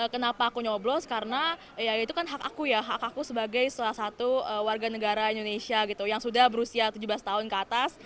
kenapa aku nyoblos karena ya itu kan hak aku ya hak aku sebagai salah satu warga negara indonesia gitu yang sudah berusia tujuh belas tahun ke atas